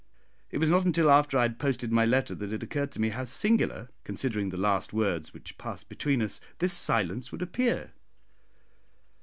It was not until after I had posted my letter that it occurred to me how singular, considering the last words which passed between us, this silence would appear.